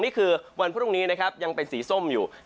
อันนี้คือวันพรุ่งนี้ยังเป็นสีส้มอยู่